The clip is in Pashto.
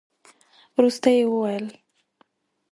وروسته يې وويل.